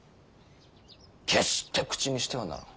決して口にしてはならぬ。